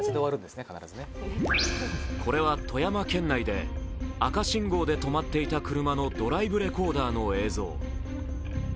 これは富山県内で赤信号で止まっていた車のドライブレコーダーの映像。